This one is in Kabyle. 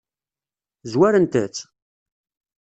Zwarent-tt?